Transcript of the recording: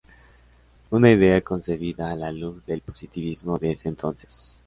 Una idea concebida a la luz del positivismo de ese entonces.